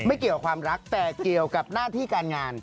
เกี่ยวกับความรักแต่เกี่ยวกับหน้าที่การงาน